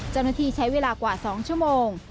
เจ้าหน้าที่ใช้เวลากว่า๒ชั่วโมง